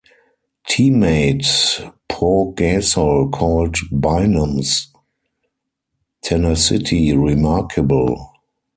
Teammate Pau Gasol called Bynum's tenacity remarkable.